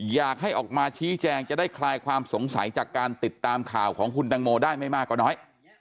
อยากให้ออกมาชี้แจงจะได้คลายความสงสัยจากการติดตามข่าวของคุณแตงโมได้ไม่มากกว่าน้อย